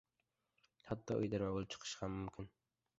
hatto uydirma bo‘lib chiqishi ham mumkin.